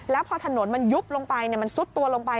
แล้วพอถนนมันยุบลงไปมันซุดตัวลงไป